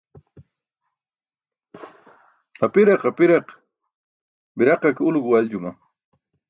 Apiraq apiraq, biraqa ke ulo guwaljuma.